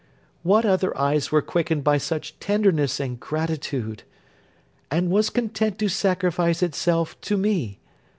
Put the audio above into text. what other eyes were quickened by such tenderness and gratitude!—and was content to sacrifice itself to me.